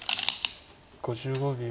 ５５秒。